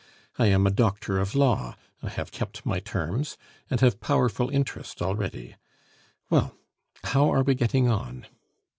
I am a doctor of law, I have kept my terms, and have powerful interest already.... Well, how are we getting on?"